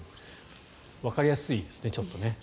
わかりやすいですねちょっとね。